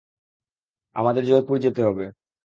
আমাদের জয়পুর যেতে হবে।